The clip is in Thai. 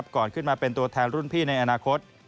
ก่อนขึ้นมาเป็นตัวแทนรุ่นพี่ในอนาคต